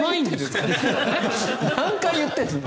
何回言ってるんですか。